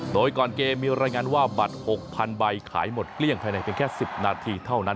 โดยก่อนเกมมีรายงานว่าบัตร๖๐๐๐ใบขายหมดเกลี้ยงภายในเพียงแค่๑๐นาทีเท่านั้น